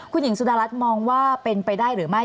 คุณหญิงสุดารัฐมองว่าเป็นไปได้หรือไม่